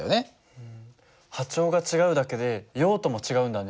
波長が違うだけで用途も違うんだね。